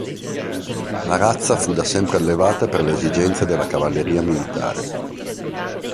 La razza fu da sempre allevata per le esigenze della Cavalleria militare.